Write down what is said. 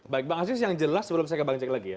baik bang aziz yang jelas sebelum saya ke bang cek lagi ya